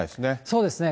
そうですね。